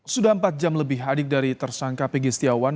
sudah empat jam lebih adik dari tersangka pegi setiawan